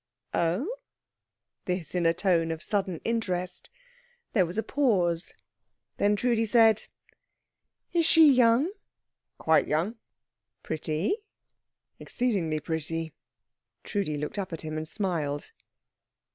"Oh?" This in a tone of sudden interest. There was a pause. Then Trudi said, "Is she young?" "Quite young." "Pretty?" "Exceedingly pretty." Trudi looked up at him and smiled.